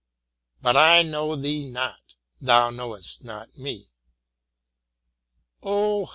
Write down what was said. But I know thee not, — thou know est not me !— Oh